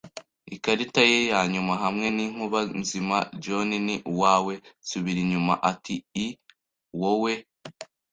ikarita ye ya nyuma, hamwe ninkuba nzima, John, ni uwawe! Subira inyuma, ati I. Wowe